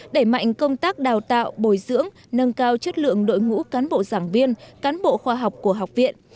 đẩy mạnh công tác đào tạo bồi dưỡng nâng cao chất lượng đội ngũ cán bộ giảng viên cán bộ khoa học của học viện